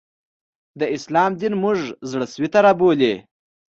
د اسلام دین موږ زړه سوي ته رابولي